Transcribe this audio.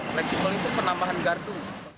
fleksibel itu penambahan gardu